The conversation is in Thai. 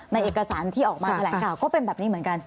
เอกสารที่ออกมาแถลงข่าวก็เป็นแบบนี้เหมือนกัน